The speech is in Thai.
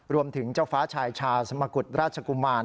รวมถึงเจ้าฟ้าชายชาสมกุฎราชกุมาร